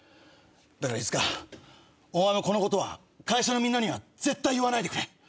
だから飯塚お前もこのことは会社のみんなには絶対言わないでくれ！